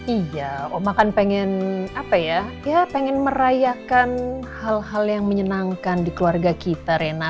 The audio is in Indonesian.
iya oma kan pengen merayakan hal hal yang menyenangkan di keluarga kita reina